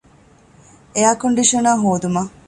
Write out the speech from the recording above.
އެއަރ ކޮންޑިޝަނަރ ހޯދުމަށް